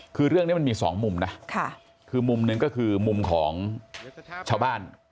คือเรื่องนี้มันมีสองมุมนะคือมุมหนึ่งก็คือมุมของชาวบ้าน